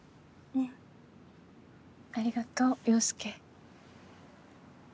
うんありがとう陽佑。